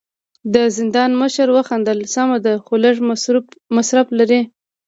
د زندان مشر وخندل: سمه ده، خو لږ مصرف لري.